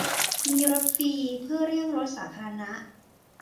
มีรถฟรีเพื่อเลี่ยงรถสาธารณะ